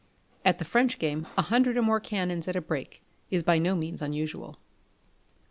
At the French Game a hundred or more canons at a break is by no means unusual. 2582.